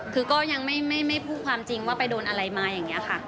คือก็ยังไม่พูดความจริงว่าไปโดนอะไรมาอย่างนี้ค่ะ